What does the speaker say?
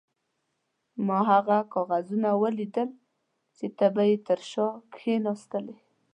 ما هغه کاغذونه ولیدل چې ته به یې تر شا کښېناستلې.